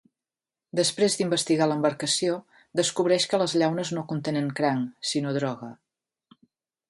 Després d'investigar l'embarcació, descobreix que les llaunes no contenen cranc, sinó droga.